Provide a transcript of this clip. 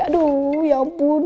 aduh ya ampun